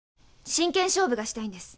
真剣勝負がしたいんです。